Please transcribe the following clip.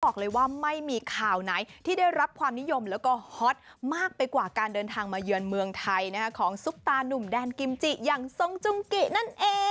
บอกเลยว่าไม่มีข่าวไหนที่ได้รับความนิยมแล้วก็ฮอตมากไปกว่าการเดินทางมาเยือนเมืองไทยของซุปตานุ่มแดนกิมจิอย่างทรงจุงกินั่นเอง